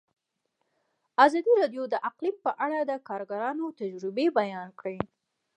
ازادي راډیو د اقلیم په اړه د کارګرانو تجربې بیان کړي.